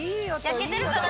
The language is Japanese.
焼けてるかな？